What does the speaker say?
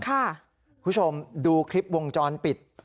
คุณผู้ชมดูคลิปวงจรปิด